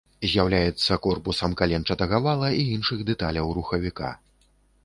З'яўляецца корпусам каленчатага вала і іншых дэталяў рухавіка.